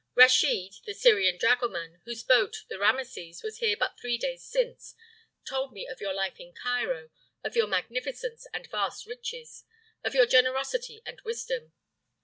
"Raschid, the Syrian dragoman, whose boat, the Rameses, was here but three days since, told me of your life in Cairo, of your magnificence and vast riches, of your generosity and wisdom.